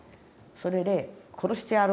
それで「殺してやる」